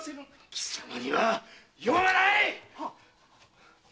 貴様には用はない！